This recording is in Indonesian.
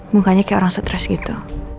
mukanya kayak orang stres gitu